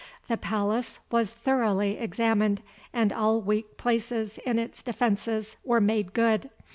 The palace was thoroughly examined, and all weak places in its defences were made good.